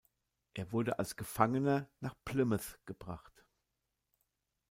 Er wurde als Gefangener nach Plymouth gebracht.